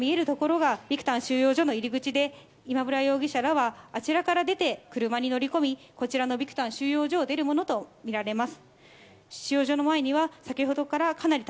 緑の柵が見えるところがビクタン収容所の入り口で今村容疑者らはあちらから出てくる車に乗り込み、こちらのビクタン収容所を出るものとみられます。